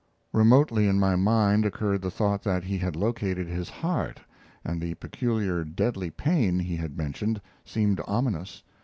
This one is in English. Remotely in my mind occurred the thought that he had located his heart, and the "peculiar deadly pain" he had mentioned seemed ominous.